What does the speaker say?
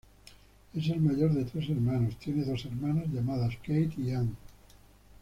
Es el mayor de tres hermanos, tiene dos hermanas llamadas Kate y Anne.